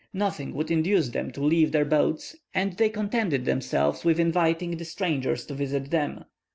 Nothing would induce them to leave their boats, and they contented themselves with inviting the strangers to visit them.